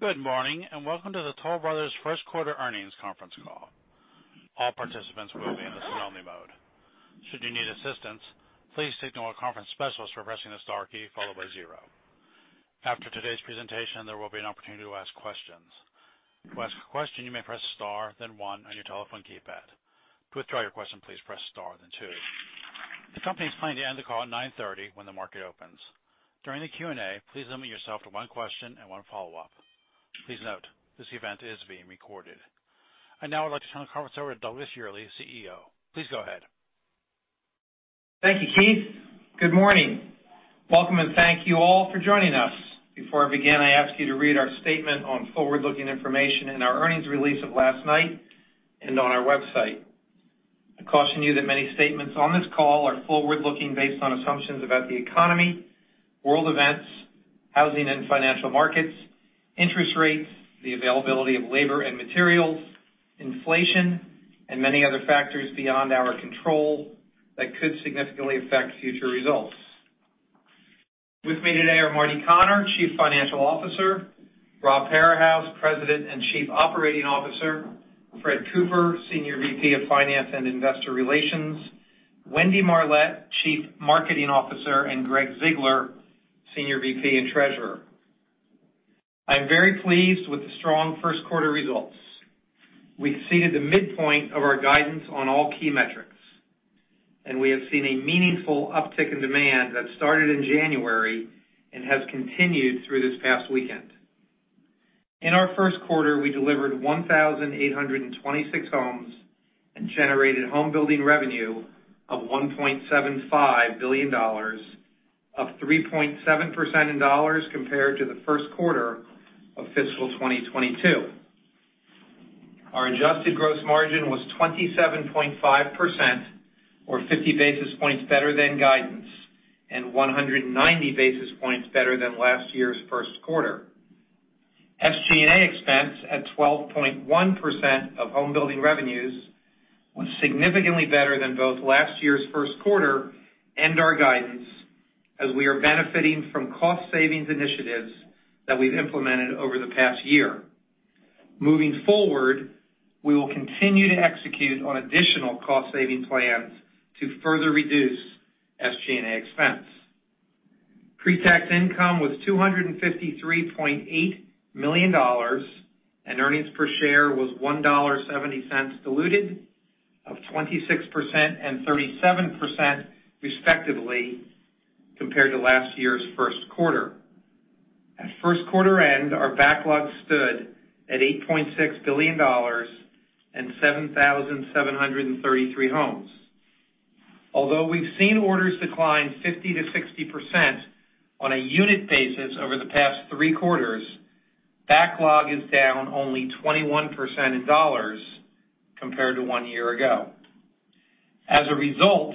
Good morning, and welcome to the Toll Brothers first quarter earnings conference call. All participants will be in listen-only mode. Should you need assistance, please signal a conference specialist by pressing the star key followed by 0. After today's presentation, there will be an opportunity to ask questions. To ask a question, you may press star then 1 on your telephone keypad. To withdraw your question, please press star then 2. The company's planning to end the call at 9:30 A.M. when the market opens. During the Q&A, please limit yourself to 1 question and 1 follow-up. Please note, this event is being recorded. I'd now like to turn the conference over to Douglas Yearley, CEO. Please go ahead. Thank you, Keith. Good morning. Welcome, thank you all for joining us. Before I begin, I ask you to read our statement on forward-looking information in our earnings release of last night and on our website. I caution you that many statements on this call are forward-looking based on assumptions about the economy, world events, housing and financial markets, interest rates, the availability of labor and materials, inflation, and many other factors beyond our control that could significantly affect future results. With me today are Martin Connor, Chief Financial Officer, Robert Parahus, President and Chief Operating Officer, Fred Cooper, Senior VP of Finance and Investor Relations, Wendy Marlett, Chief Marketing Officer, Gregg Ziegler, Senior VP and Treasurer. I'm very pleased with the strong first quarter results. We've seeded the midpoint of our guidance on all key metrics, we have seen a meaningful uptick in demand that started in January and has continued through this past weekend. In our first quarter, we delivered 1,826 homes and generated homebuilding revenue of $1.75 billion, up 3.7% in dollars compared to the first quarter of fiscal 2022. Our adjusted gross margin was 27.5% or 50 basis points better than guidance and 190 basis points better than last year's first quarter. SG&A expense at 12.1% of homebuilding revenues was significantly better than both last year's first quarter and our guidance as we are benefiting from cost savings initiatives that we've implemented over the past year. Moving forward, we will continue to execute on additional cost-saving plans to further reduce SG&A expense. Pre-tax income was $253.8 million, and earnings per share was $1.70 diluted of 26% and 37% respectively compared to last year's first quarter. At first quarter end, our backlog stood at $8.6 billion and 7,733 homes. Although we've seen orders decline 50%-60% on a unit basis over the past three quarters, backlog is down only 21% in dollars compared to one year ago. As a result,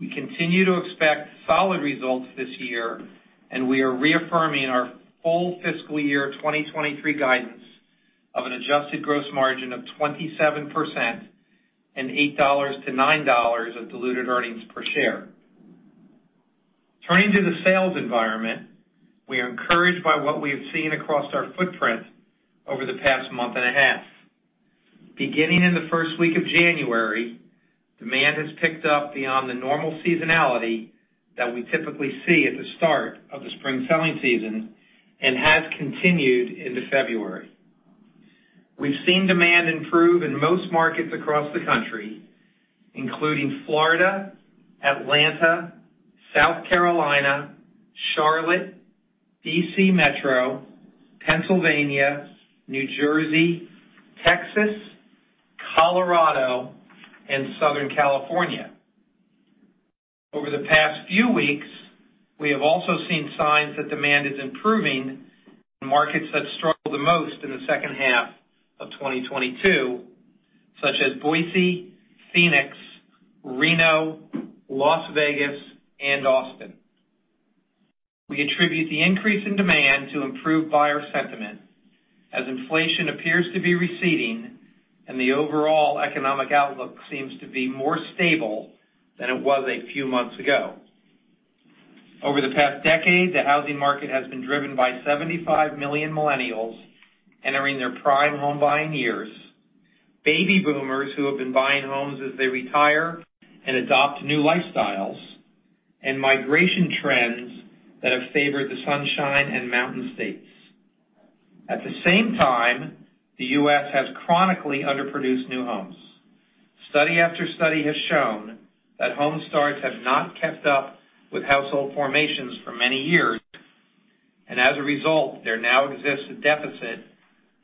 we continue to expect solid results this year, and we are reaffirming our full fiscal year 2023 guidance of an adjusted gross margin of 27% and $8-$9 of diluted earnings per share. Turning to the sales environment, we are encouraged by what we have seen across our footprint over the past month and a half. Beginning in the first week of January, demand has picked up beyond the normal seasonality that we typically see at the start of the spring selling season and has continued into February. We've seen demand improve in most markets across the country, including Florida, Atlanta, South Carolina, Charlotte, DC Metro, Pennsylvania, New Jersey, Texas, Colorado, and Southern California. Over the past few weeks, we have also seen signs that demand is improving in markets that struggled the most in the second half of 2022, such as Boise, Phoenix, Reno, Las Vegas, and Austin. We attribute the increase in demand to improved buyer sentiment as inflation appears to be receding and the overall economic outlook seems to be more stable than it was a few months ago. Over the past decade, the housing market has been driven by 75 million Millennials entering their prime home buying years, Baby Boomers who have been buying homes as they retire and adopt new lifestyles, and migration trends that have favored the Sunshine and Mountain States. At the same time, the U.S. has chronically underproduced new homes. Study after study has shown that home starts have not kept up with household formations for many years. As a result, there now exists a deficit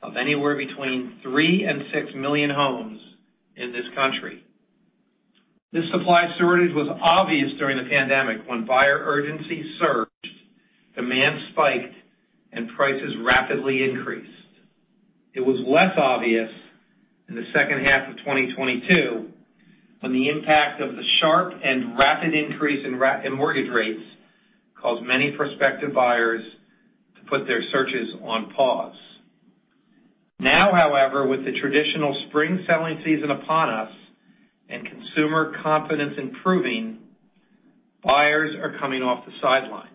of anywhere between 3 million-6 million homes in this country. This supply shortage was obvious during the pandemic when buyer urgency surged, demand spiked, and prices rapidly increased. It was less obvious in the second half of 2022 when the impact of the sharp and rapid increase in mortgage rates caused many prospective buyers to put their searches on pause. However, with the traditional spring selling season upon us and consumer confidence improving, buyers are coming off the sidelines.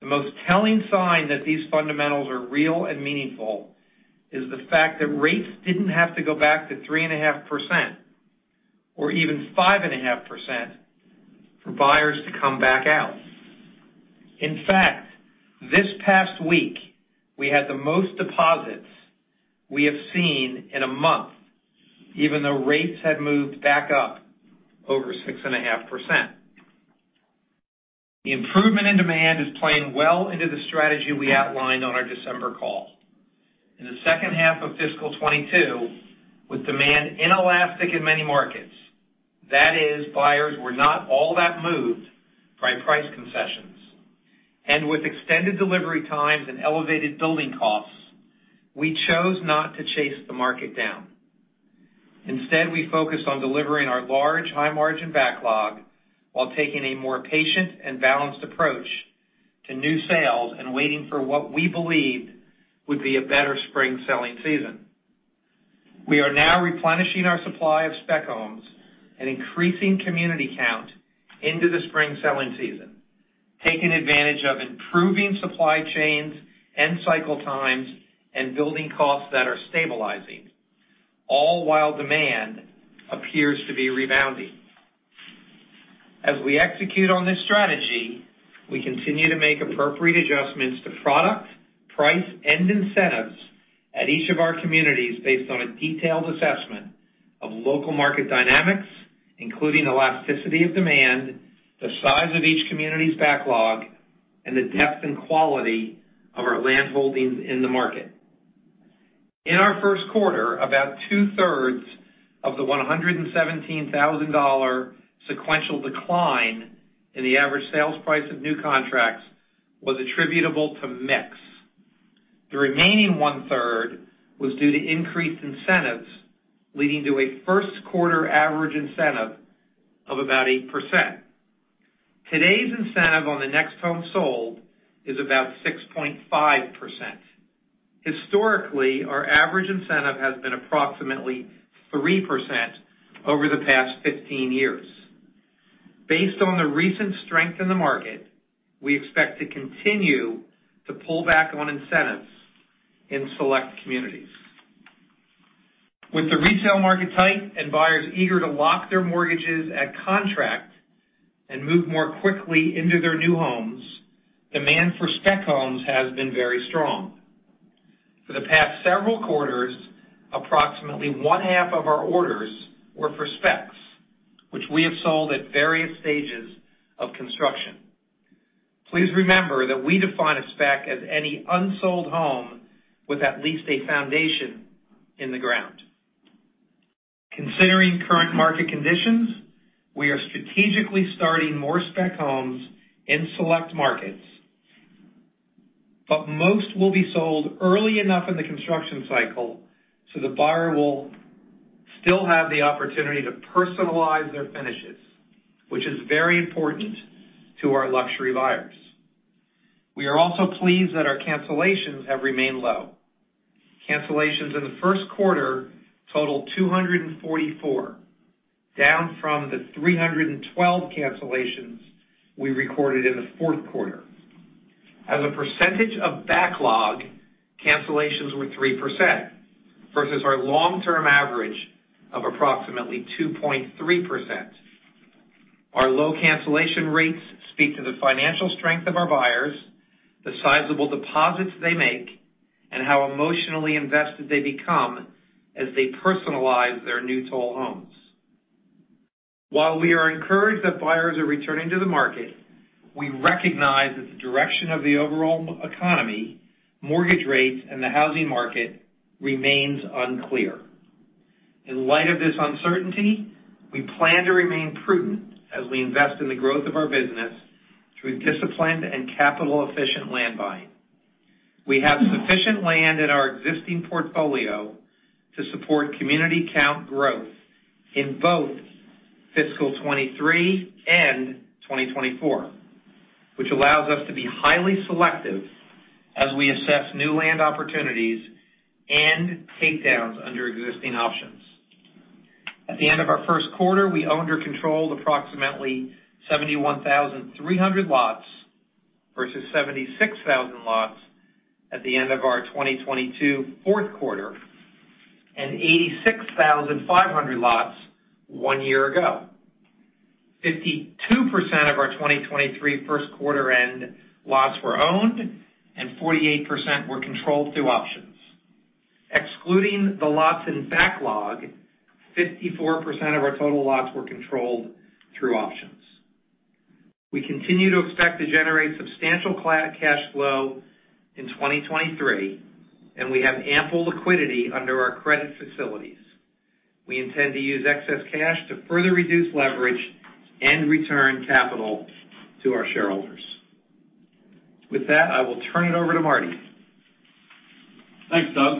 The most telling sign that these fundamentals are real and meaningful is the fact that rates didn't have to go back to 3.5% or even 5.5% for buyers to come back out. This past week, we had the most deposits we have seen in a month, even though rates had moved back up over 6.5%. The improvement in demand is playing well into the strategy we outlined on our December call. In the second half of fiscal 2022, with demand inelastic in many markets, that is, buyers were not all that moved by price concessions, and with extended delivery times and elevated building costs, we chose not to chase the market down. Instead, we focused on delivering our large high-margin backlog while taking a more patient and balanced approach to new sales and waiting for what we believed would be a better spring selling season. We are now replenishing our supply of spec homes and increasing community count into the spring selling season, taking advantage of improving supply chains, end cycle times, and building costs that are stabilizing, all while demand appears to be rebounding. As we execute on this strategy, we continue to make appropriate adjustments to product, price, and incentives at each of our communities based on a detailed assessment of local market dynamics, including elasticity of demand, the size of each community's backlog, and the depth and quality of our landholdings in the market. In our first quarter, about two-thirds of the $117,000 sequential decline in the average sales price of new contracts was attributable to mix. The remaining one-third was due to increased incentives, leading to a first quarter average incentive of about 8%. Today's incentive on the next home sold is about 6.5%. Historically, our average incentive has been approximately 3% over the past 15 years. Based on the recent strength in the market, we expect to continue to pull back on incentives in select communities. With the retail market tight and buyers eager to lock their mortgages at contract and move more quickly into their new homes, demand for spec homes has been very strong. For the past several quarters, approximately one-half of our orders were for specs, which we have sold at various stages of construction. Please remember that we define a spec as any unsold home with at least a foundation in the ground. Considering current market conditions, we are strategically starting more spec homes in select markets, but most will be sold early enough in the construction cycle so the buyer will still have the opportunity to personalize their finishes, which is very important to our luxury buyers. We are also pleased that our cancellations have remained low. Cancellations in the first quarter totaled 244, down from the 312 cancellations we recorded in the fourth quarter. As a percentage of backlog, cancellations were 3% versus our long-term average of approximately 2.3%. Our low cancellation rates speak to the financial strength of our buyers, the sizable deposits they make, and how emotionally invested they become as they personalize their new Toll homes. While we are encouraged that buyers are returning to the market, we recognize that the direction of the overall economy, mortgage rates, and the housing market remains unclear. In light of this uncertainty, we plan to remain prudent as we invest in the growth of our business through disciplined and capital-efficient land buying. We have sufficient land in our existing portfolio to support community count growth in both fiscal 23 and 2024, which allows us to be highly selective as we assess new land opportunities and takedowns under existing options. At the end of our first quarter, we owned or controlled approximately 71,300 lots versus 76,000 lots at the end of our 2022 fourth quarter and 86,500 lots one year ago. 52% of our 2023 first quarter end lots were owned and 48% were controlled through options. Excluding the lots in backlog, 54% of our total lots were controlled through options. We continue to expect to generate substantial cash flow in 2023, and we have ample liquidity under our credit facilities. We intend to use excess cash to further reduce leverage and return capital to our shareholders. With that, I will turn it over to Marty. Thanks, Doug.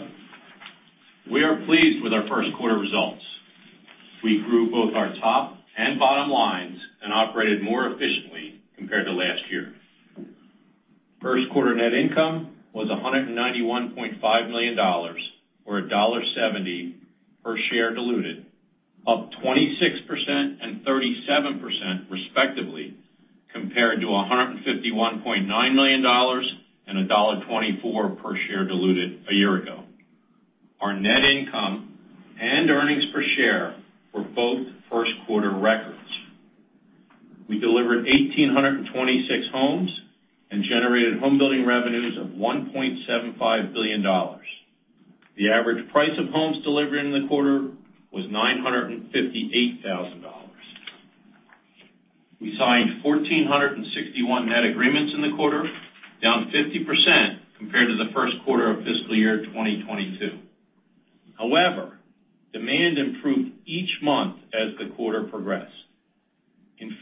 We are pleased with our first quarter results. We grew both our top and bottom lines and operated more efficiently compared to last year. First quarter net income was $191.5 million, or $1.70 per share diluted, up 26% and 37% respectively, compared to $151.9 million and $1.24 per share diluted a year ago. Our net income and earnings per share were both first-quarter records. We delivered 1,826 homes and generated home building revenues of $1.75 billion. The average price of homes delivered in the quarter was $958,000. We signed 1,461 net agreements in the quarter, down 50% compared to the first quarter of fiscal year 2022. However, demand improved each month as the quarter progressed. In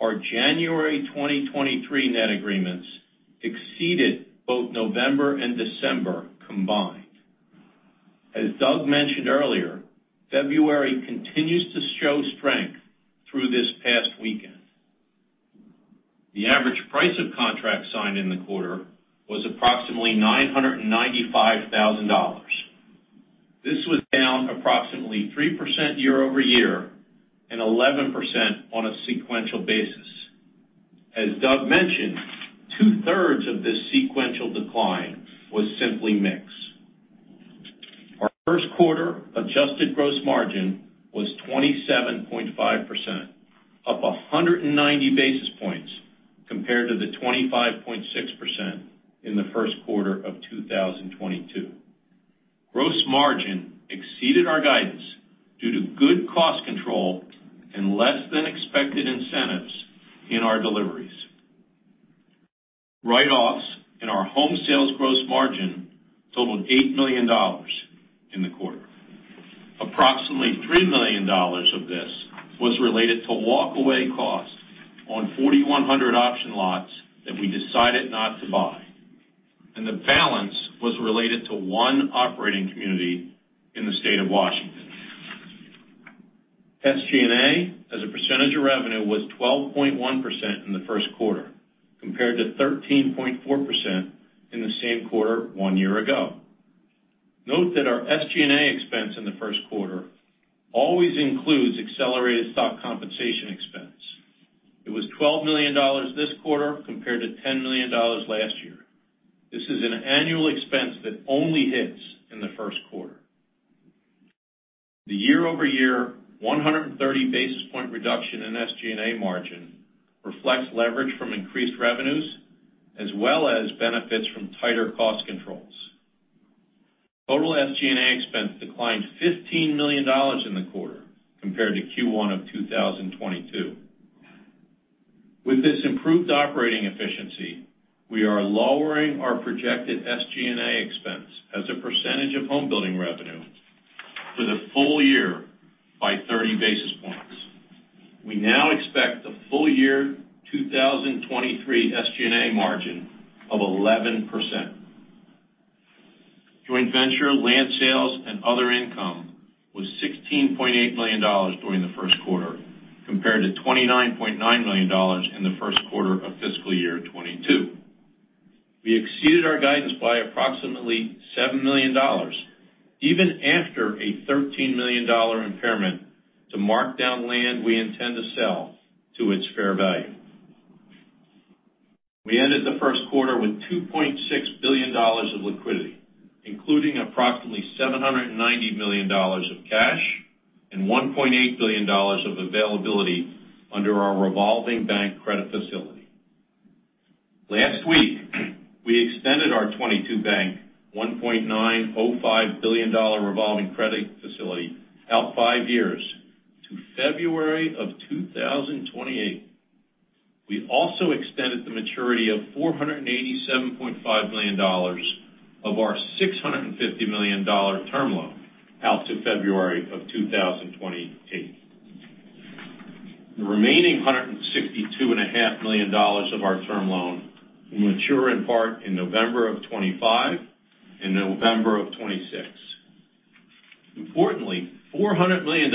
fact, our January 2023 net agreements exceeded both November and December combined. Doug mentioned earlier, February continues to show strength through this past weekend. The average price of contracts signed in the quarter was approximately $995,000. This was down approximately 3% year-over-year and 11% on a sequential basis. Doug mentioned, two-thirds of this sequential decline was simply mix. Our first quarter adjusted gross margin was 27.5%, up 190 basis points compared to the 25.6% in the first quarter of 2022. Gross margin exceeded our guidance due to good cost control and less than expected incentives in our deliveries. Write-offs in our home sales gross margin totaled $8 million in the quarter. Approximately $3 million of this was related to walk away cost on 4,100 option lots that we decided not to buy. The balance was related to one operating community in the State of Washington. SG&A as a percentage of revenue was 12.1% in the first quarter, compared to 13.4% in the same quarter one year ago. Note that our SG&A expense in the first quarter always includes accelerated stock compensation expense. It was $12 million this quarter compared to $10 million last year. This is an annual expense that only hits in the first quarter. The year-over-year 130 basis point reduction in SG&A margin reflects leverage from increased revenues as well as benefits from tighter cost controls. Total SG&A expense declined $15 million in the quarter compared to Q1 of 2022. With this improved operating efficiency, we are lowering our projected SG&A expense as a percentage of home building revenue for the full year by 30 basis points. We now expect the full year 2023 SG&A margin of 11%. Joint venture, land sales and other income was $16.8 million during the first quarter compared to $29.9 million in the first quarter of fiscal year 2022. We exceeded our guidance by approximately $7 million even after a $13 million impairment to mark down land we intend to sell to its fair value. We ended the first quarter with $2.6 billion of liquidity, including approximately $790 million of cash and $1.8 billion of availability under our revolving bank credit facility. Last week, we extended our 22 bank $1.905 billion revolving credit facility out 5 years to February of 2028. We also extended the maturity of $487.5 million of our $650 million term loan out to February of 2028. The remaining 162 and a half million dollars of our term loan will mature in part in November of 2025 and November of 2026. Importantly, $400 million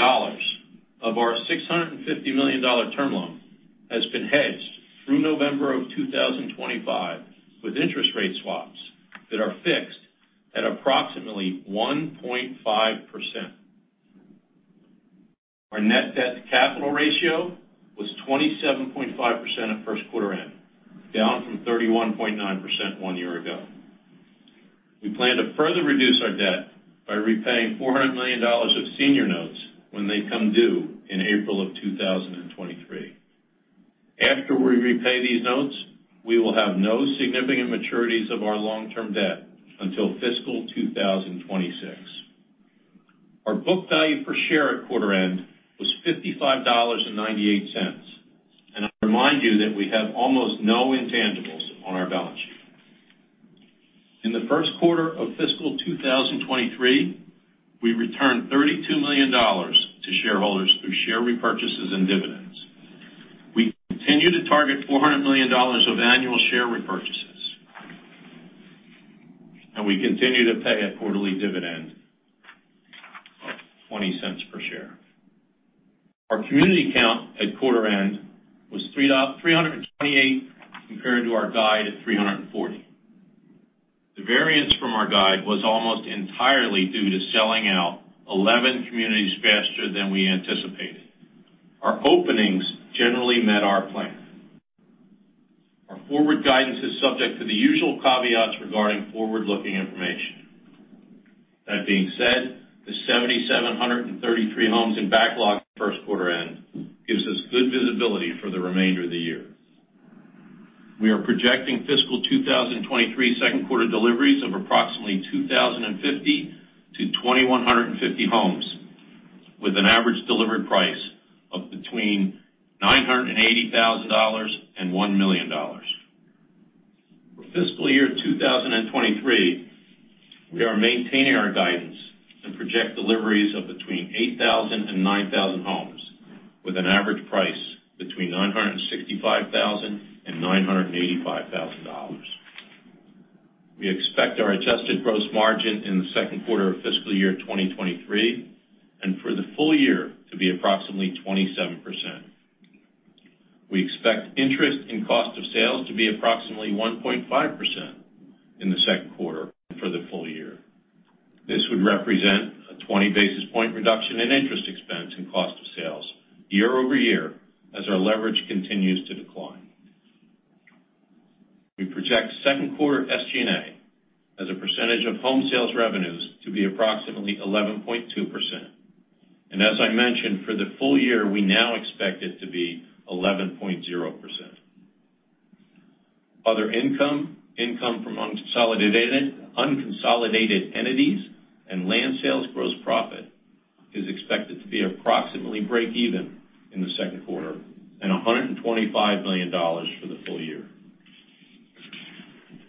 of our $650 million term loan has been hedged through November of 2025 with interest rate swaps that are fixed at approximately 1.5%. Our net debt-to-capital ratio was 27.5% at first quarter end, down from 31.9% 1 year ago. We plan to further reduce our debt by repaying $400 million of senior notes when they come due in April 2023. After we repay these notes, we will have no significant maturities of our long-term debt until fiscal 2026. Our book value per share at quarter end was $55.98. I remind you that we have almost no intangibles on our balance sheet. In the first quarter of fiscal 2023, we returned $32 million to shareholders through share repurchases and dividends. We continue to target $400 million of annual share repurchases. We continue to pay a quarterly dividend of $0.20 per share. Our community count at quarter end was 328, compared to our guide at 340. The variance from our guide was almost entirely due to selling out 11 communities faster than we anticipated. Our openings generally met our plan. Our forward guidance is subject to the usual caveats regarding forward-looking information. That being said, the 7,733 homes in backlog at first quarter end gives us good visibility for the remainder of the year. We are projecting fiscal 2023 second quarter deliveries of approximately 2,050-2,150 homes, with an average delivered price of between $980,000 and $1 million. For fiscal year 2023, we are maintaining our guidance to project deliveries of between 8,000 and 9,000 homes, with an average price between $965,000 and $985,000. We expect our adjusted gross margin in the second quarter of fiscal year 2023 and for the full year to be approximately 27%. We expect interest in cost of sales to be approximately 1.5% in the second quarter and for the full year. This would represent a 20 basis point reduction in interest expense and cost of sales year-over-year as our leverage continues to decline. We project second quarter SG&A as a percentage of home sales revenues to be approximately 11.2%. As I mentioned, for the full year, we now expect it to be 11.0%. Other income from unconsolidated entities and land sales gross profit is expected to be approximately breakeven in the second quarter and $125 million for the full year.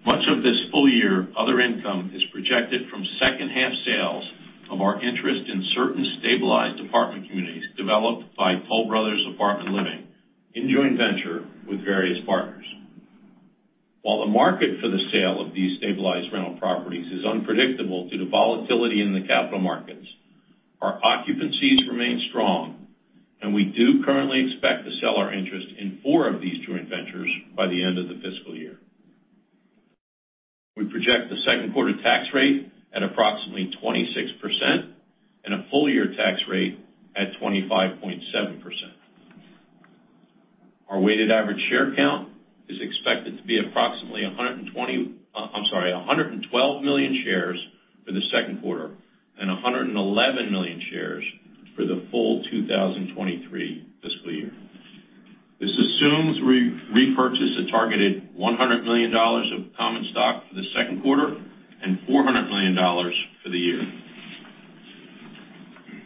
Much of this full year other income is projected from second half sales of our interest in certain stabilized apartment communities developed by Toll Brothers Apartment Living in joint venture with various partners. While the market for the sale of these stabilized rental properties is unpredictable due to volatility in the capital markets, our occupancies remain strong, and we do currently expect to sell our interest in four of these joint ventures by the end of the fiscal year. We project the second quarter tax rate at approximately 26% and a full year tax rate at 25.7%. Our weighted average share count is expected to be approximately, I'm sorry, 112 million shares for the second quarter and 111 million shares for the full 2023 fiscal year. This assumes re-repurchase a targeted $100 million of common stock for the second quarter and $400 million for the year.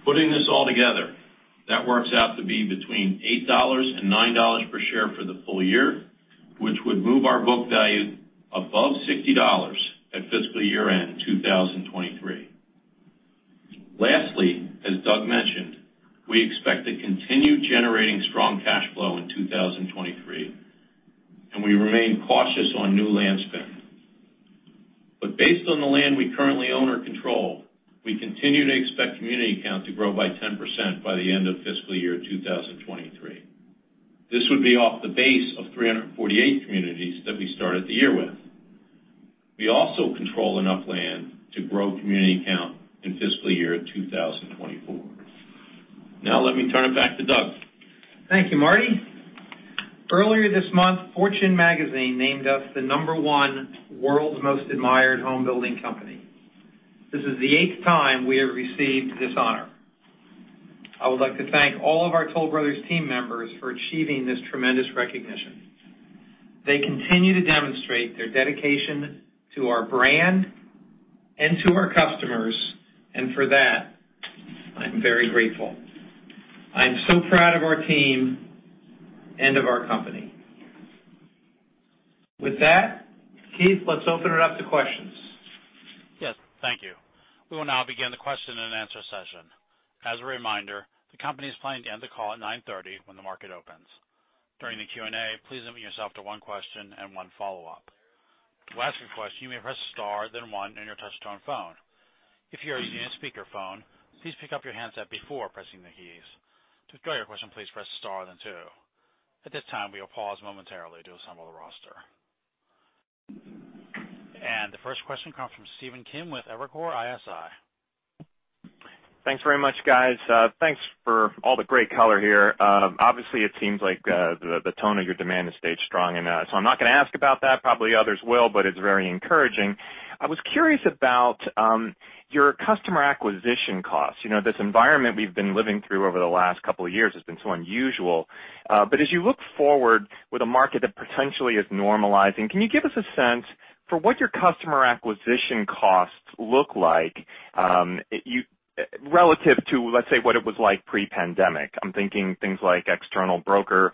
Putting this all together, that works out to be between $8-$9 per share for the full year, which would move our book value above $60 at fiscal year-end 2023. Lastly, as Doug mentioned, we expect to continue generating strong cash flow in 2023. We remain cautious on new land spend. Based on the land we currently own or control, we continue to expect community count to grow by 10% by the end of fiscal year 2023. This would be off the base of 348 communities that we started the year with. We also control enough land to grow community count in fiscal year 2024. Now let me turn it back to Doug. Thank you, Marty. Earlier this month, Fortune magazine named us the number one World's Most Admired Home Building Company. This is the eighth time we have received this honor. I would like to thank all of our Toll Brothers team members for achieving this tremendous recognition. For that, I'm very grateful. I'm so proud of our team and of our company. With that, Keith, let's open it up to questions. Yes. Thank you. We will now begin the question and answer session. As a reminder, the company is planning to end the call at 9:30 A.M. when the market opens. During the Q&A, please limit yourself to one question and one follow-up. To ask a question, you may press star then one on your touchtone phone. If you are using a speakerphone, please pick up your handset before pressing the keys. To withdraw your question, please press star then two. At this time, we will pause momentarily to assemble the roster. The first question comes from Stephen Kim with Evercore ISI. Thanks very much, guys. Thanks for all the great color here. Obviously, it seems like the tone of your demand has stayed strong. I'm not gonna ask about that. Probably others will, but it's very encouraging. I was curious about your customer acquisition costs. You know, this environment we've been living through over the last couple of years has been so unusual. As you look forward with a market that potentially is normalizing, can you give us a sense for what your customer acquisition costs look like, relative to, let's say, what it was like pre-pandemic? I'm thinking things like external broker,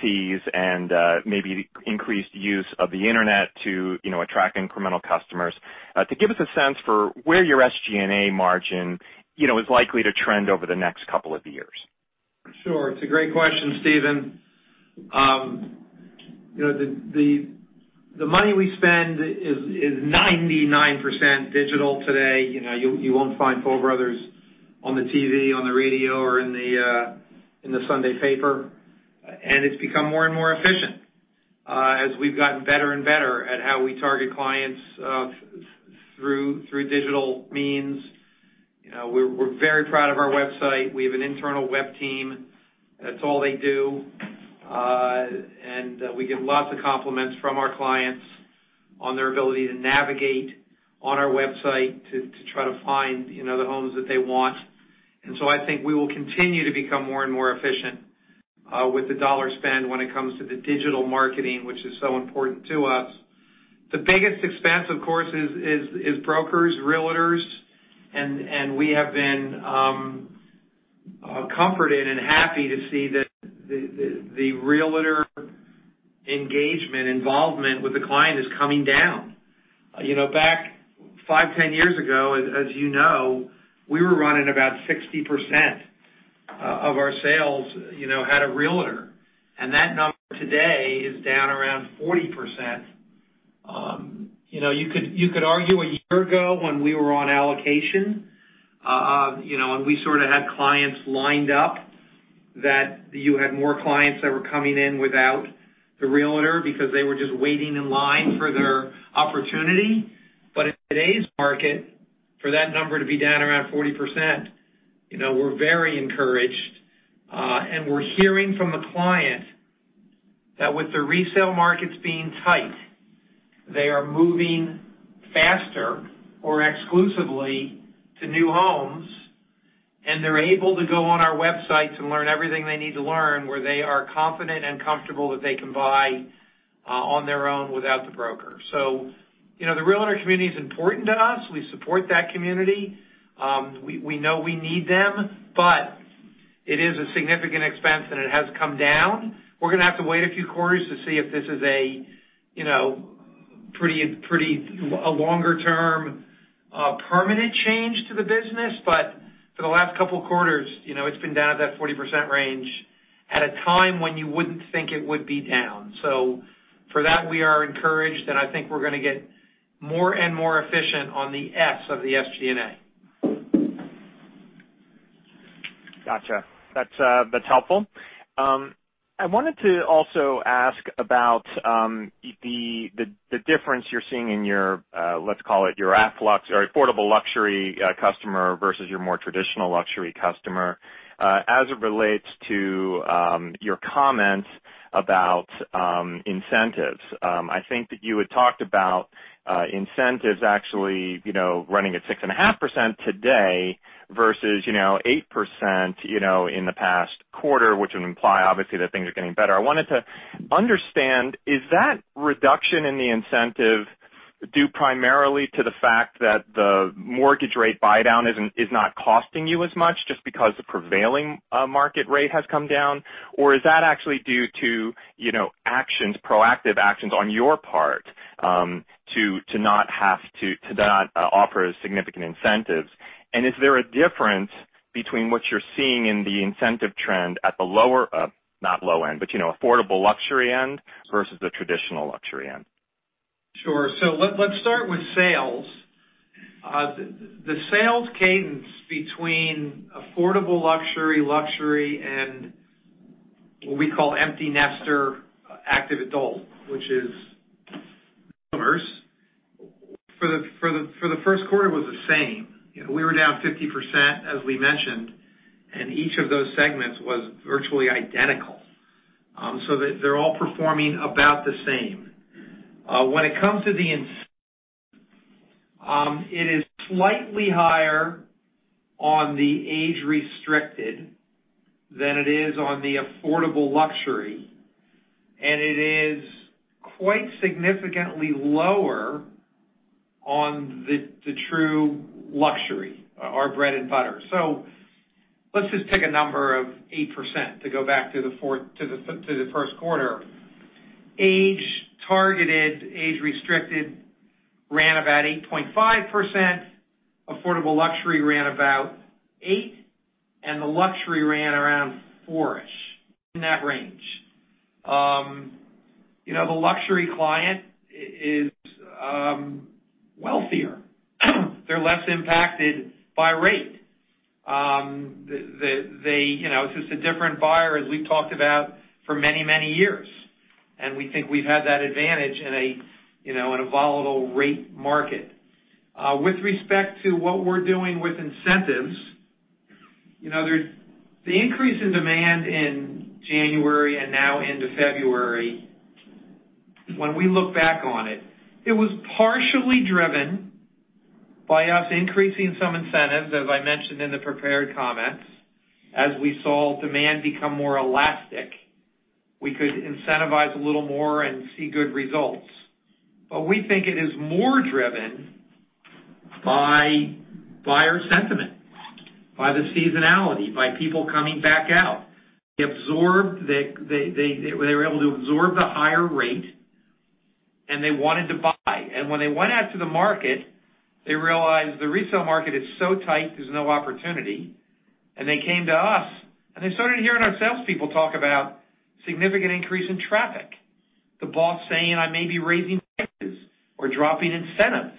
fees and maybe increased use of the internet to, you know, attract incremental customers, to give us a sense for where your SG&A margin, you know, is likely to trend over the next couple of years. Sure. It's a great question, Stephen. You know, the money we spend is 99% digital today. You know, you won't find Toll Brothers on the TV, on the radio, or in the Sunday paper. It's become more and more efficient as we've gotten better and better at how we target clients through digital means. You know, we're very proud of our website. We have an internal web team. That's all they do. And we get lots of compliments from our clients on their ability to navigate on our website to try to find, you know, the homes that they want. I think we will continue to become more and more efficient with the dollar spend when it comes to the digital marketing, which is so important to us. The biggest expense, of course, is brokers, realtors, and we have been comforted and happy to see that the, the realtor engagement involvement with the client is coming down. You know, back 5, 10 years ago, as you know, we were running about 60% of our sales, you know, had a realtor. And that number today is down around 40%. You know, you could, you could argue 1 year ago when we were on allocation, you know, and we sort of had clients lined up, that you had more clients that were coming in without the realtor because they were just waiting in line for their opportunity. In today's market, for that number to be down around 40%, you know, we're very encouraged, and we're hearing from the client that with the resale markets being tight, they are moving faster or exclusively to new homes, and they're able to go on our website to learn everything they need to learn where they are confident and comfortable that they can buy, on their own without the broker. You know, the realtor community is important to us. We support that community. We, we know we need them, but it is a significant expense, and it has come down. We're gonna have to wait a few quarters to see if this is a, you know, a longer-term, permanent change to the business. For the last couple quarters, you know, it's been down at that 40% range at a time when you wouldn't think it would be down. For that, we are encouraged, and I think we're gonna get more and more efficient on the S of the SG&A. Gotcha. That's, that's helpful. I wanted to also ask about the difference you're seeing in your, let's call it your afflux or affordable luxury customer versus your more traditional luxury customer as it relates to your comments about incentives. I think that you had talked about incentives actually, you know, running at 6.5% today versus, you know, 8%, you know, in the past quarter, which would imply, obviously, that things are getting better. I wanted to understand, is that reduction in the incentive due primarily to the fact that the mortgage rate buydown is not costing you as much just because the prevailing market rate has come down? Is that actually due to, you know, actions, proactive actions on your part, to not have to not offer significant incentives? Is there a difference between what you're seeing in the incentive trend at the lower, not low end, but you know, affordable luxury end versus the traditional luxury end? Sure. Let's start with sales. The sales cadence between affordable luxury, and what we call empty nester active adult, which is boomers, for the first quarter was the same. We were down 50%, as we mentioned, and each of those segments was virtually identical. They're all performing about the same. When it comes to the inc- it is slightly higher on the age-restricted than it is on the affordable luxury, and it is quite significantly lower on the true luxury, our bread and butter. Let's just take a number of 8% to go back to the fourth, to the first quarter. Age targeted, age restricted ran about 8.5%, affordable luxury ran about 8%, and the luxury ran around 4-ish, in that range. You know, the luxury client is wealthier. They're less impacted by rate. They, you know, it's just a different buyer as we've talked about for many, many years, and we think we've had that advantage in a, you know, in a volatile rate market. With respect to what we're doing with incentives, you know, there's the increase in demand in January and now into February, when we look back on it was partially driven by us increasing some incentives, as I mentioned in the prepared comments. As we saw demand become more elastic, we could incentivize a little more and see good results. We think it is more driven by buyer sentiment, by the seasonality, by people coming back out. They absorbed, they were able to absorb the higher rate. They wanted to buy. When they went out to the market, they realized the resale market is so tight, there's no opportunity. They came to us, and they started hearing our salespeople talk about significant increase in traffic. The boss saying, "I may be raising prices or dropping incentives."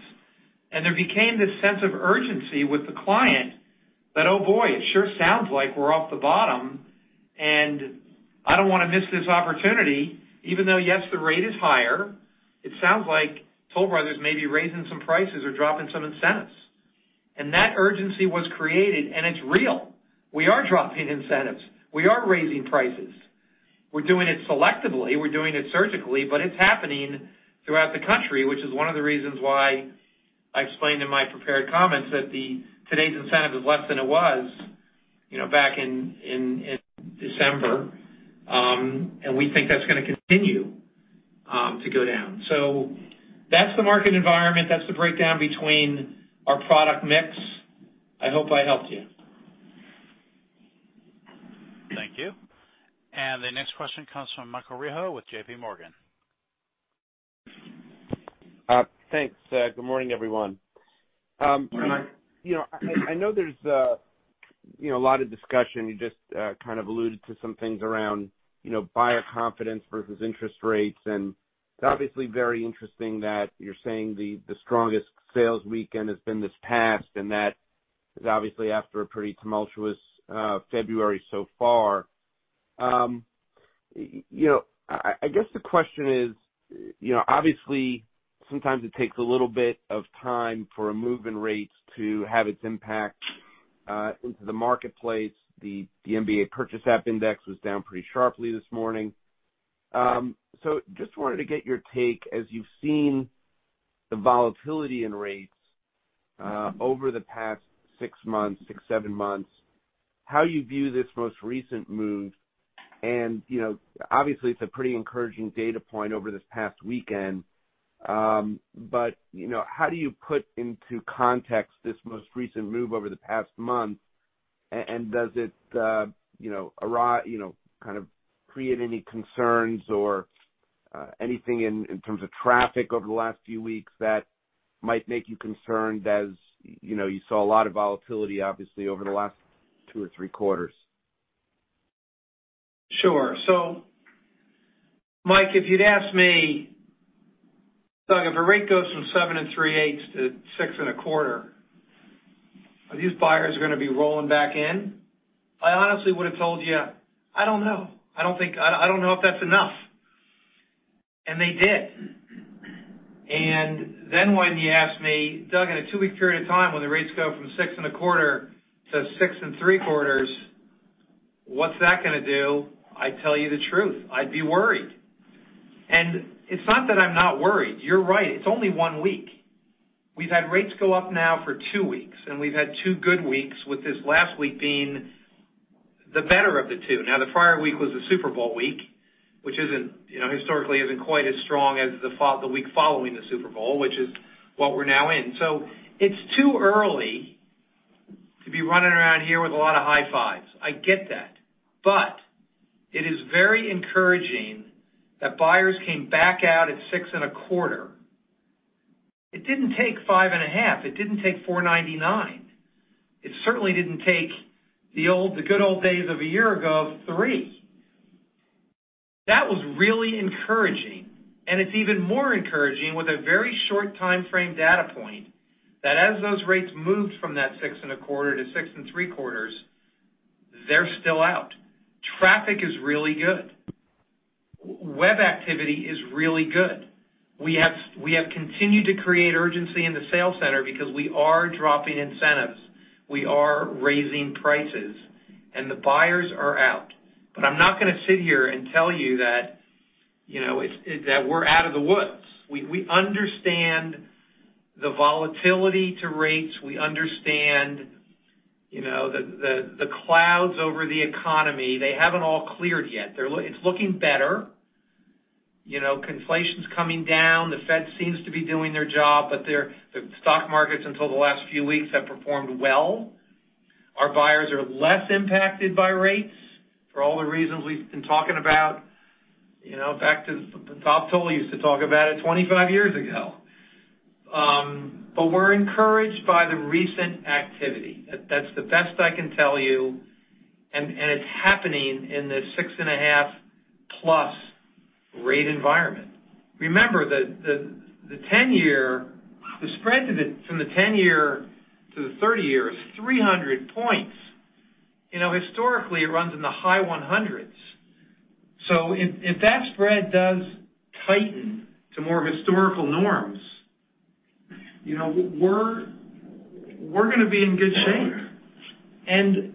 There became this sense of urgency with the client that, oh, boy, it sure sounds like we're off the bottom, and I don't wanna miss this opportunity even though, yes, the rate is higher. It sounds like Toll Brothers may be raising some prices or dropping some incentives. That urgency was created, and it's real. We are dropping incentives. We are raising prices. We're doing it selectively, we're doing it surgically, but it's happening throughout the country, which is one of the reasons why I explained in my prepared comments that today's incentive is less than it was, you know, back in December. We think that's gonna continue to go down. That's the market environment. That's the breakdown between our product mix. I hope I helped you. Thank you. The next question comes from Michael Rehaut with JPMorgan. Thanks. Good morning, everyone. You know, I know there's, you know, a lot of discussion. You just, kind of alluded to some things around, you know, buyer confidence versus interest rates, and it's obviously very interesting that you're saying the strongest sales weekend has been this past, and that is obviously after a pretty tumultuous February so far. You know, I guess the question is, you know, obviously, sometimes it takes a little bit of time for a move in rates to have its impact into the marketplace. The MBA Purchase Index was down pretty sharply this morning. Just wanted to get your take as you've seen the volatility in rates over the past 6 months, 6, 7 months, how you view this most recent move. You know, obviously, it's a pretty encouraging data point over this past weekend. You know, how do you put into context this most recent move over the past month? Does it, you know, kind of create any concerns or anything in terms of traffic over the last few weeks that might make you concerned as, you know, you saw a lot of volatility, obviously, over the last 2 or 3 quarters? Mike, if you'd asked me, "Doug, if a rate goes from seven and three-eighths to six and a quarter, are these buyers going to be rolling back in?" I honestly would've told you, "I don't know. I don't think I don't know if that's enough." They did. When you asked me, "Doug, in a two-week period of time, when the rates go from six and a quarter to six and three-quarters, what's that going to do?" I'd tell you the truth. I'd be worried. It's not that I'm not worried. You're right. It's only one week. We've had rates go up now for two weeks, and we've had two good weeks, with this last week being the better of the two. The prior week was the Super Bowl week, which isn't, you know, historically isn't quite as strong as the week following the Super Bowl, which is what we're now in. It's too early to be running around here with a lot of high fives. I get that. It is very encouraging that buyers came back out at 6 and a quarter. It didn't take 5 and a half. It didn't take 4.99. It certainly didn't take the good old days of a year ago of 3. That was really encouraging, and it's even more encouraging with a very short timeframe data point that as those rates moved from that 6 and a quarter to 6 and three-quarters, they're still out. Traffic is really good. Web activity is really good. We have continued to create urgency in the sales center because we are dropping incentives, we are raising prices. The buyers are out. I'm not gonna sit here and tell you that, you know, it's that we're out of the woods. We understand the volatility to rates. We understand, you know, the, the clouds over the economy. They haven't all cleared yet. It's looking better. You know, inflation's coming down. The Fed seems to be doing their job. The stock markets until the last few weeks have performed well. Our buyers are less impacted by rates for all the reasons we've been talking about, you know, back to the top. Toll used to talk about it 25 years ago. We're encouraged by the recent activity. That's the best I can tell you, and it's happening in this 6.5%+ rate environment. Remember that the 10-year, the spread from the 10-year to the 30-year is 300 points. You know, historically, it runs in the high 100s. If that spread does tighten to more of historical norms, you know, we're gonna be in good shape.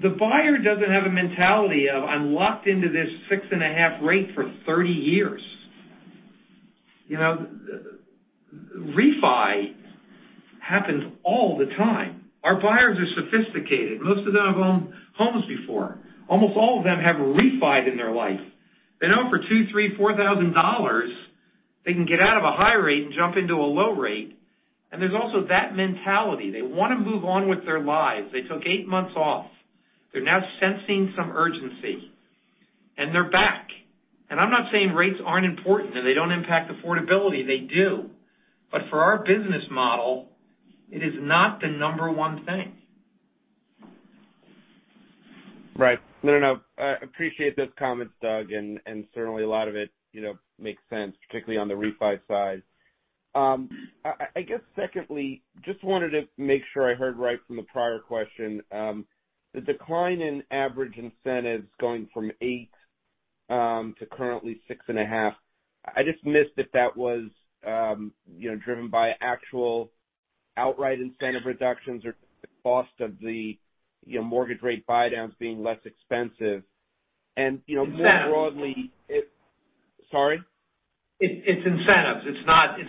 The buyer doesn't have a mentality of, "I'm locked into this 6.5% rate for 30 years." You know, refi happens all the time. Our buyers are sophisticated. Most of them have owned homes before. Almost all of them have refied in their life. They know for $2,000, $3,000, $4,000, they can get out of a high rate and jump into a low rate. There's also that mentality. They wanna move on with their lives. They took eight months off. They're now sensing some urgency, and they're back. I'm not saying rates aren't important and they don't impact affordability, they do. For our business model, it is not the number one thing. Right. No, no, I appreciate those comments, Doug, and certainly a lot of it, you know, makes sense, particularly on the refi side. I guess secondly, just wanted to make sure I heard right from the prior question. The decline in average incentives going from 8 to currently 6.5, I just missed if that was, you know, driven by actual outright incentive reductions or the cost of the, you know, mortgage rate buydowns being less expensive. You know. Incentives. more broadly... Sorry? It's incentives. It's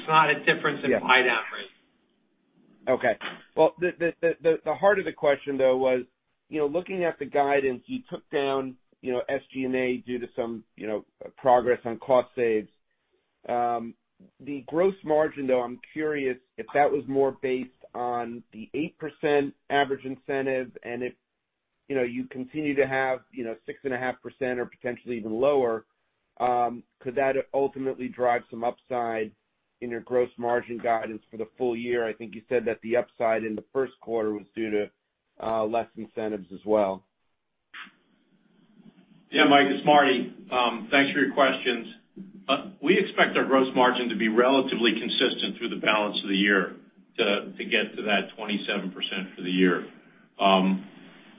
not a difference in buydown rates. Okay. Well, the heart of the question though, was, you know, looking at the guidance, you took down, you know, SG&A due to some, you know, progress on cost saves. The gross margin, though, I'm curious if that was more based on the 8% average incentive and if, you know, you continue to have, you know, 6.5% or potentially even lower, could that ultimately drive some upside in your gross margin guidance for the full year? I think you said that the upside in the first quarter was due to less incentives as well. Yeah, Mike, it's Marty. Thanks for your questions. We expect our gross margin to be relatively consistent through the balance of the year to get to that 27% for the year.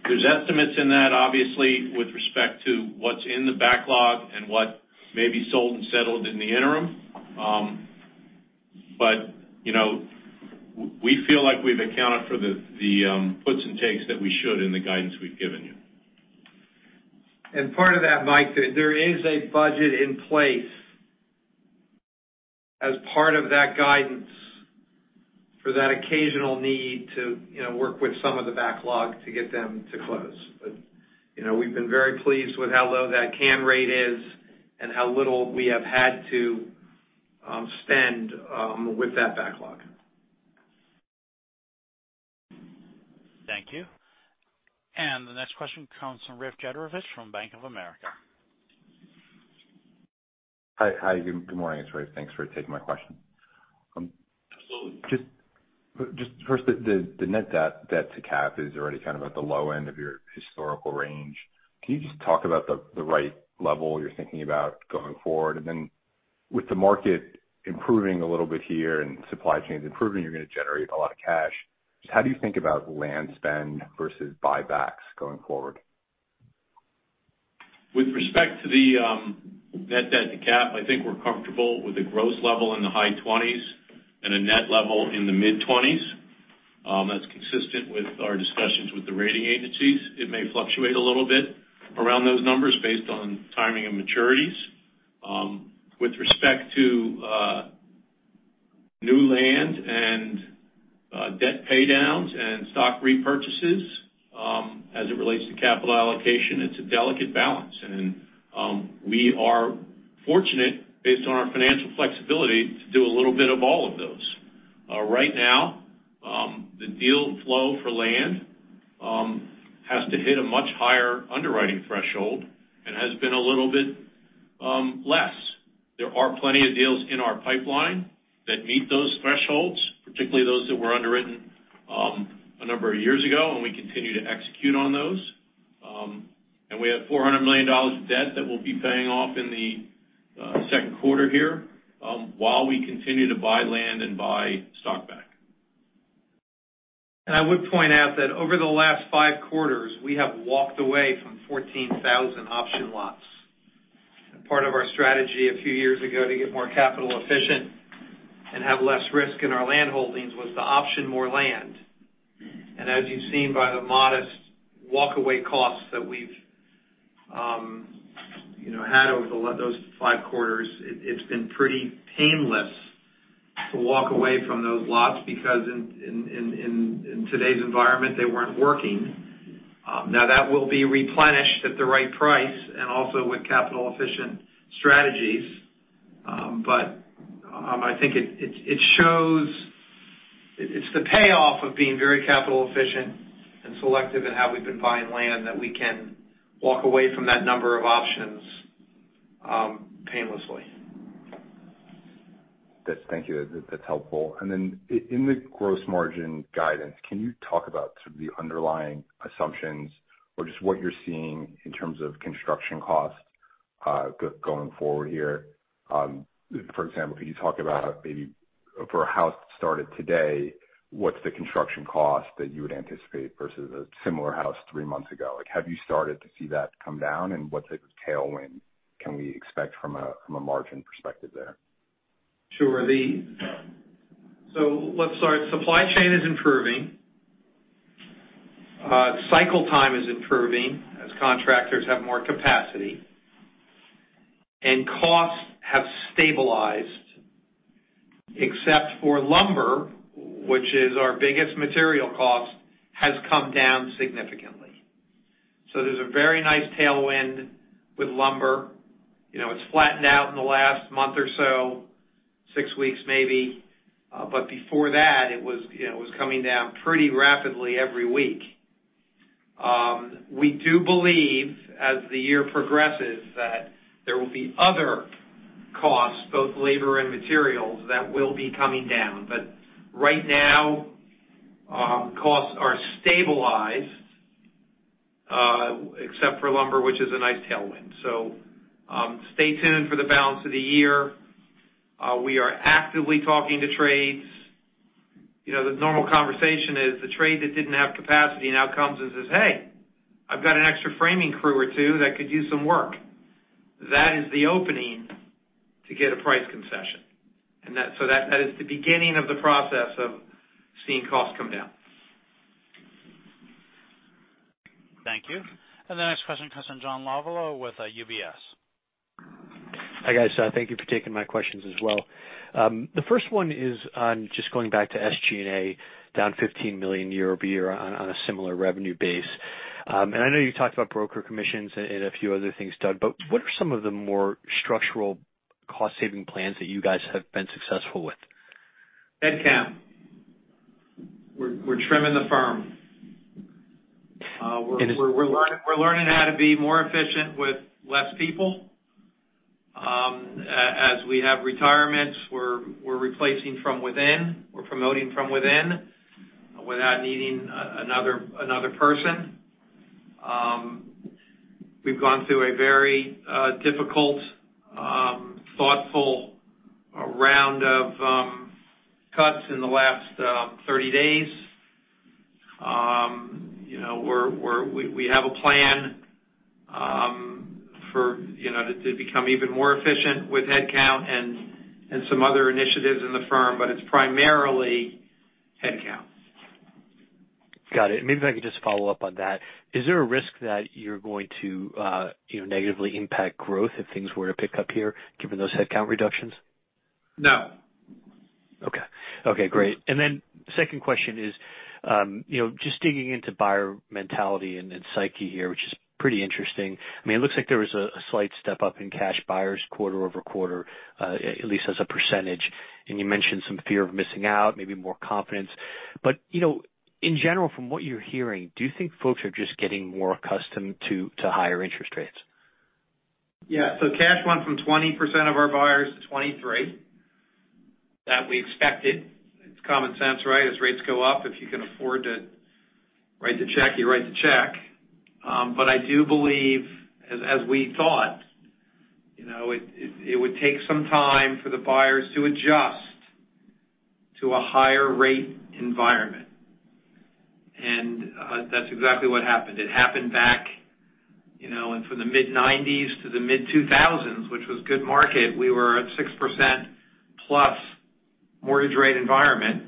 There's estimates in that obviously with respect to what's in the backlog and what may be sold and settled in the interim. you know, we feel like we've accounted for the puts and takes that we should in the guidance we've given you. Part of that, Mike, there is a budget in place as part of that guidance for that occasional need to, you know, work with some of the backlog to get them to close. You know, we've been very pleased with how low that cancellation rate is and how little we have had to spend with that backlog. Thank you. The next question comes from Rafe Jadrosich from Bank of America. Hi, good morning. It's Rafe. Thanks for taking my question. Absolutely. Just first, the net debt-to-cap is already kind of at the low end of your historical range. Can you just talk about the right level you're thinking about going forward? With the market improving a little bit here and supply chains improving, you're gonna generate a lot of cash. How do you think about land spend versus buybacks going forward? With respect to the net debt to cap, I think we're comfortable with a gross level in the high 20s and a net level in the mid-20s. That's consistent with our discussions with the rating agencies. It may fluctuate a little bit around those numbers based on timing and maturities. With respect to new land and debt pay downs and stock repurchases, as it relates to capital allocation, it's a delicate balance. We are fortunate based on our financial flexibility to do a little bit of all of those. Right now, the deal flow for land has to hit a much higher underwriting threshold and has been a little bit less. There are plenty of deals in our pipeline that meet those thresholds, particularly those that were underwritten, a number of years ago, and we continue to execute on those. We have $400 million of debt that we'll be paying off in the second quarter here, while we continue to buy land and buy stock back. I would point out that over the last five quarters, we have walked away from 14,000 option lots. Part of our strategy a few years ago to get more capital efficient and have less risk in our landholdings was to option more land. As you've seen by the modest walkaway costs that we've, you know, had over those five quarters, it's been pretty painless to walk away from those lots because in today's environment, they weren't working. Now that will be replenished at the right price and also with capital efficient strategies. I think it shows. It's the payoff of being very capital efficient and selective in how we've been buying land that we can walk away from that number of options painlessly. That's... Thank you. That's helpful. Then in the gross margin guidance, can you talk about sort of the underlying assumptions or just what you're seeing in terms of construction costs going forward here? For example, can you talk about maybe for a house started today, what's the construction cost that you would anticipate versus a similar house three months ago? Like, have you started to see that come down, and what's the tailwind can we expect from a, from a margin perspective there? Sure. Let's start. Supply chain is improving. Cycle time is improving as contractors have more capacity. Costs have stabilized, except for lumber, which is our biggest material cost, has come down significantly. There's a very nice tailwind with lumber. You know, it's flattened out in the last month or so, 6 weeks maybe. Before that, it was, you know, it was coming down pretty rapidly every week. We do believe, as the year progresses, that there will be other costs, both labor and materials, that will be coming down. Right now, costs are stabilized, except for lumber, which is a nice tailwind. Stay tuned for the balance of the year. We are actively talking to trades. You know, the normal conversation is the trade that didn't have capacity now comes and says, "Hey, I've got an extra framing crew or two that could use some work." That is the opening to get a price concession. That, that is the beginning of the process of seeing costs come down. Thank you. The next question comes from John Lovallo with UBS. Hi, guys. Thank you for taking my questions as well. The first one is on just going back to SG&A, down $15 million year-over-year on a similar revenue base. I know you talked about broker commissions and a few other things, Doug, but what are some of the more structural cost-saving plans that you guys have been successful with? Headcount. We're trimming the firm. We're learning how to be more efficient with less people. As we have retirements, we're replacing from within. We're promoting from within without needing another person. We've gone through a very difficult, thoughtful round of cuts in the last 30 days. You know, we have a plan for, you know, to become even more efficient with headcount and some other initiatives in the firm, but it's primarily headcount. Got it. Maybe if I could just follow up on that. Is there a risk that you're going to, you know, negatively impact growth if things were to pick up here, given those headcount reductions? No. Okay. Great. Second question is, you know, just digging into buyer mentality and psyche here, which is pretty interesting. I mean, it looks like there was a slight step-up in cash buyers quarter-over-quarter, at least as a percentage. You mentioned some fear of missing out, maybe more confidence. You know, in general, from what you're hearing, do you think folks are just getting more accustomed to higher interest rates? Yeah. Cash went from 20% of our buyers to 23%. That we expected. It's common sense, right? As rates go up, if you can afford to write the check, you write the check. I do believe, as we thought, you know, it would take some time for the buyers to adjust to a higher rate environment. That's exactly what happened. It happened back, you know, from the mid-1990s to the mid-2000s, which was good market, we were at 6% plus mortgage rate environment.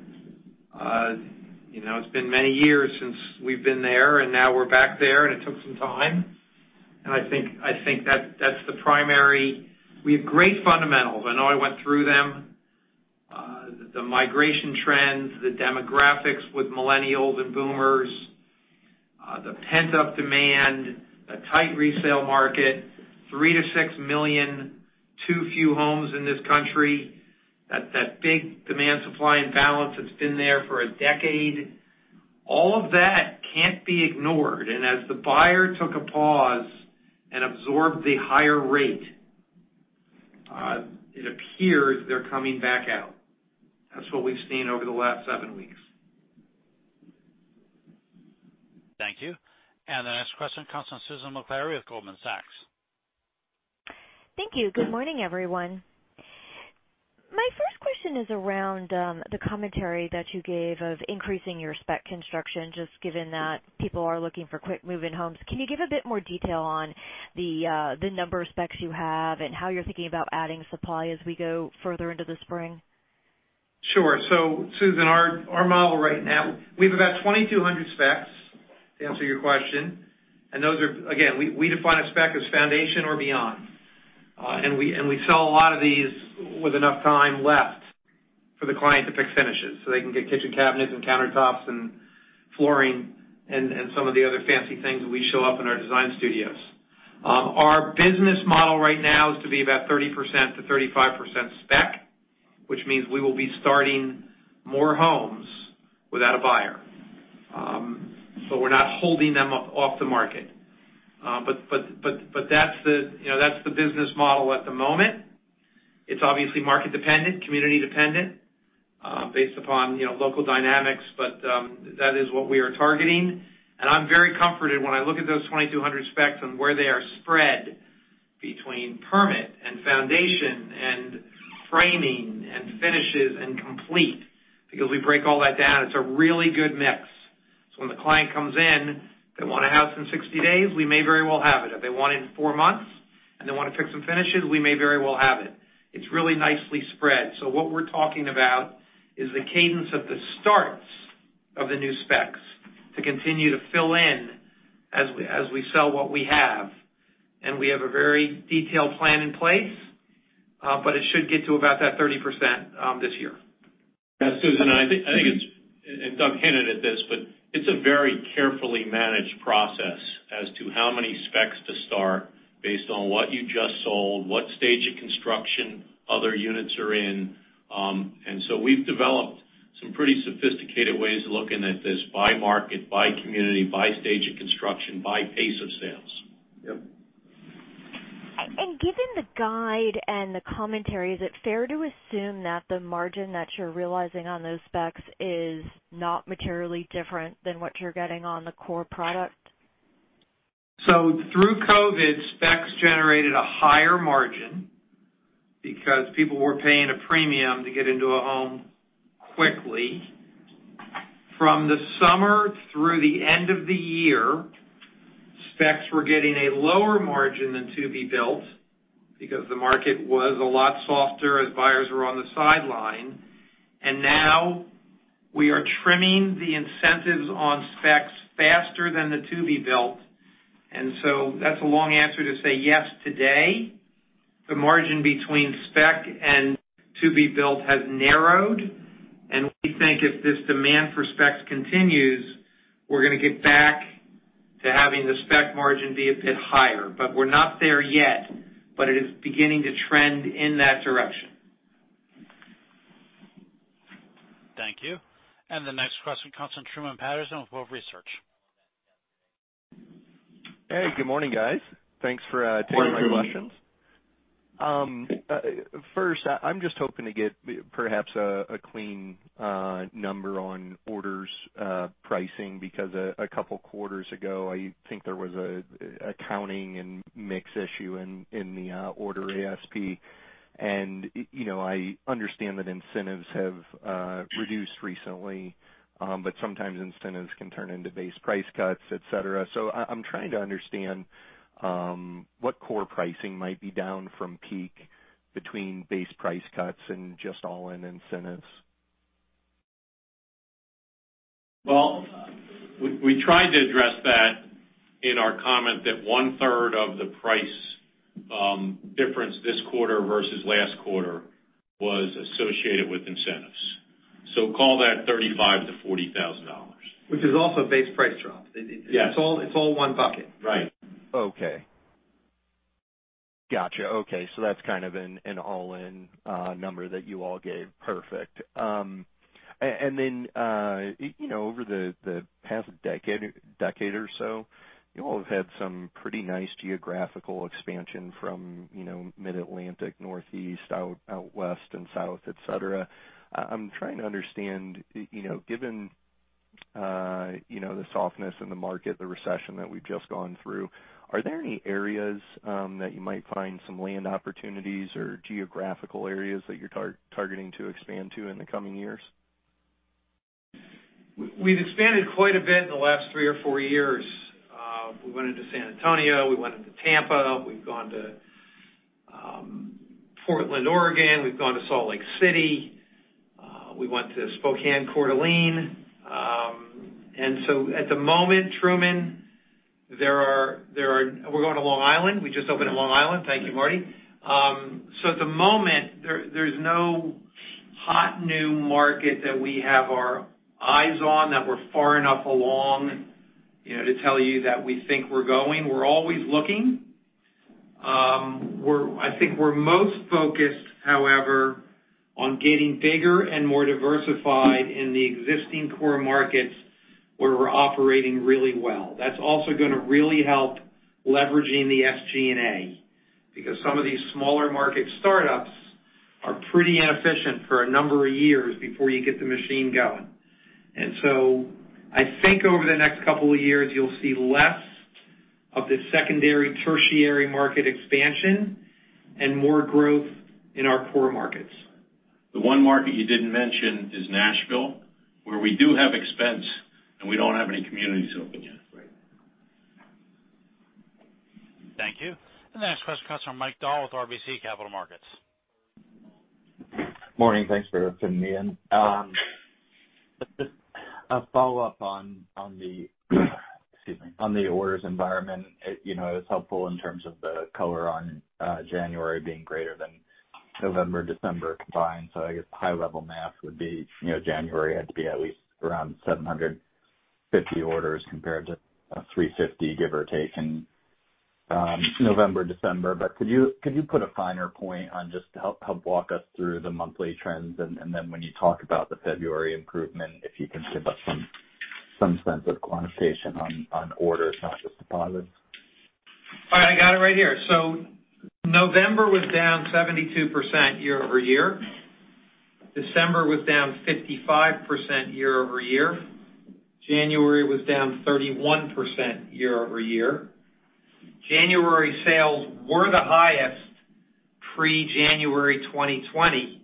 You know, it's been many years since we've been there, and now we're back there and it took some time. I think that's the primary... We have great fundamentals. I know I went through them. The migration trends, the demographics with millennials and boomers, the pent-up demand, the tight resale market, 3 million-6 million too few homes in this country, that big demand supply imbalance that's been there for a decade. All of that can't be ignored. As the buyer took a pause and absorbed the higher rate, it appears they're coming back out. That's what we've seen over the last seven weeks. Thank you. The next question comes from Susan Maklari with Goldman Sachs. Thank you. Good morning, everyone. My first question is around the commentary that you gave of increasing your spec construction, just given that people are looking for quick move-in homes. Can you give a bit more detail on the number of specs you have and how you're thinking about adding supply as we go further into the spring? Sure. Susan, our model right now, we have about 2,200 specs, to answer your question. Those are, again, we define a spec as foundation or beyond. We sell a lot of these with enough time left for the client to pick finishes, so they can get kitchen cabinets and countertops and flooring and some of the other fancy things that we show up in our design studios. Our business model right now is to be about 30%-35% spec, which means we will be starting more homes without a buyer. We're not holding them off the market. That's the, you know, that's the business model at the moment. It's obviously market dependent, community dependent, based upon, you know, local dynamics, that is what we are targeting. I'm very comforted when I look at those 2,200 specs and where they are spread between permit and foundation and framing and finishes and complete. We break all that down, it's a really good mix. When the client comes in, they want a house in 60 days, we may very well have it. If they want it in 4 months and they wanna pick some finishes, we may very well have it. It's really nicely spread. What we're talking about is the cadence of the starts of the new specs to continue to fill in as we sell what we have. We have a very detailed plan in place, but it should get to about that 30% this year. Yeah, Susan, I think it's, and Doug hinted at this, but it's a very carefully managed process as to how many specs to start based on what you just sold, what stage of construction other units are in. We've developed some pretty sophisticated ways of looking at this by market, by community, by stage of construction, by pace of sales. Yep. Given the guide and the commentary, is it fair to assume that the margin that you're realizing on those specs is not materially different than what you're getting on the core product? Through COVID, specs generated a higher margin because people were paying a premium to get into a home quickly. From the summer through the end of the year, specs were getting a lower margin than to-be-built because the market was a lot softer as buyers were on the sideline. Now we are trimming the incentives on specs faster than the to-be-built. That's a long answer to say yes, today, the margin between spec and to-be-built has narrowed, and we think if this demand for specs continues, we're gonna get back to having the spec margin be a bit higher. We're not there yet, but it is beginning to trend in that direction. Thank you. The next question comes from Truman Patterson with Wolfe Research. Hey, good morning, guys. Thanks for. Morning, Truman.... taking my questions. First, I'm just hoping to get perhaps a clean number on orders pricing because a couple quarters ago, I think there was a accounting and mix issue in the order ASP. You know, I understand that incentives have reduced recently, but sometimes incentives can turn into base price cuts, et cetera. I'm trying to understand what core pricing might be down from peak between base price cuts and just all-in incentives. Well, we tried to address that in our comment that one third of the price difference this quarter versus last quarter was associated with incentives. Call that $35,000-$40,000. Which is also base price drop. Yes. It's all one bucket. Right. Okay. Gotcha. Okay. That's kind of an all-in number that you all gave. Perfect. You know, over the past decade or so, you all have had some pretty nice geographical expansion from, you know, mid-Atlantic, Northeast, out West and South, et cetera. I'm trying to understand, you know, given, you know, the softness in the market, the recession that we've just gone through, are there any areas that you might find some land opportunities or geographical areas that you're targeting to expand to in the coming years? We've expanded quite a bit in the last three or four years. We went into San Antonio, we went into Tampa, we've gone to, Portland, Oregon, we've gone to Salt Lake City, we went to Spokane, Coeur d'Alene. At the moment, Truman, We're going to Long Island. We just opened in Long Island. Thank you, Marty. At the moment, there's no hot new market that we have our eyes on that we're far enough along, you know, to tell you that we think we're going. We're always looking. I think we're most focused, however, on getting bigger and more diversified in the existing core markets where we're operating really well. That's also gonna really help leveraging the SG&A because some of these smaller market startups are pretty inefficient for a number of years before you get the machine going. I think over the next couple of years, you'll see less of the secondary, tertiary market expansion and more growth in our core markets. The one market you didn't mention is Nashville, where we do have expense, and we don't have any communities open yet. Right. Thank you. The next question comes from Mike Dahl with RBC Capital Markets. Morning. Thanks for fitting me in. A follow-up on the, excuse me, on the orders environment. It, you know, it's helpful in terms of the color on January being greater than November, December combined. I guess high-level math would be, you know, January had to be at least around 750 orders compared to 350, give or take, in November, December. Could you put a finer point on just to help walk us through the monthly trends? Then when you talk about the February improvement, if you can give us some sense of quantification on orders, not just deposits. I got it right here. November was down 72% year-over-year. December was down 55% year-over-year. January was down 31% year-over-year. January sales were the highest pre-January 2020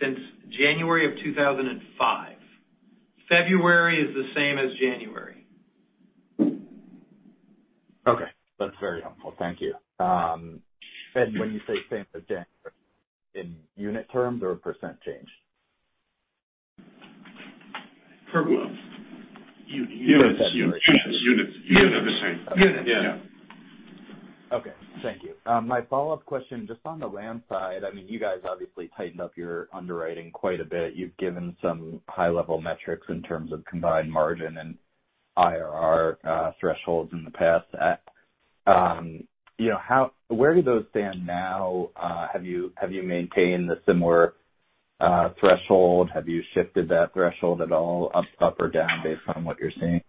since January of 2005. February is the same as January. Okay. That's very helpful. Thank you. When you say same as January, in unit terms or percent change? Per what? Units. Units. Units. Units. Units. Yeah. Okay. Thank you. My follow-up question, just on the land side, I mean, you guys obviously tightened up your underwriting quite a bit. You've given some high-level metrics in terms of combined margin and IRR thresholds in the past. You know, where do those stand now? Have you maintained the similar threshold? Have you shifted that threshold at all up or down based on what you're seeing?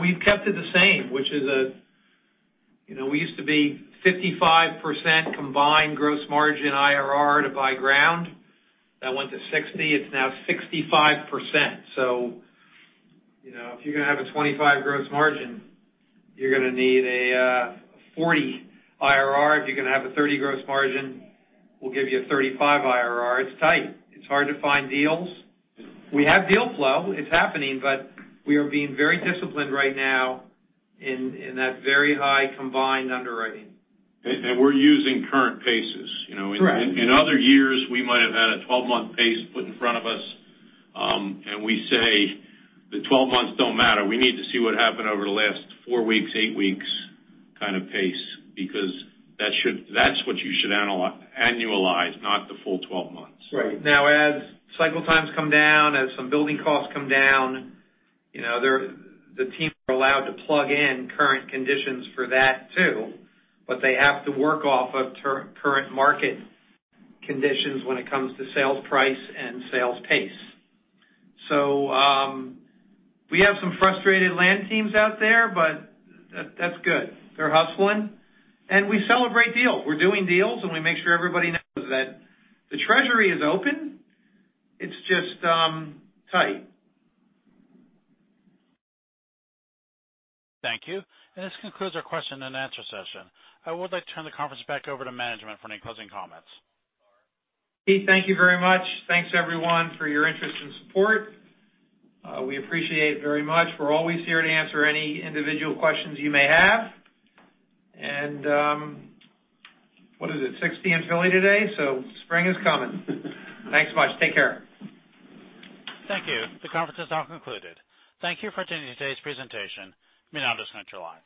We've kept it the same, which is. You know, we used to be 55% combined gross margin IRR to buy ground. That went to 60. It's now 65%. You know, if you're gonna have a 25 gross margin, you're gonna need a 40 IRR. If you're gonna have a 30 gross margin, we'll give you a 35 IRR. It's tight. It's hard to find deals. We have deal flow, it's happening, but we are being very disciplined right now in that very high combined underwriting. We're using current paces, you know? Correct. In other years, we might have had a 12-month pace put in front of us. We say the 12 months don't matter. We need to see what happened over the last 4 weeks, 8 weeks kind of pace, because that's what you should annualize, not the full 12 months. Right. Now, as cycle times come down, as some building costs come down, you know, the team are allowed to plug in current conditions for that too, but they have to work off of current market conditions when it comes to sales price and sales pace. We have some frustrated land teams out there, but that's good. They're hustling. We celebrate deals. We're doing deals, and we make sure everybody knows that the treasury is open. It's just tight. Thank you. This concludes our question and answer session. I would like to turn the conference back over to management for any closing comments. Keith, thank you very much. Thanks, everyone for your interest and support. We appreciate it very much. We're always here to answer any individual questions you may have. What is it, 60 degrees Fahrenheit in Philly today. Spring is coming. Thanks so much. Take care. Thank you. The conference is now concluded. Thank you for attending today's presentation. You may now disconnect your lines.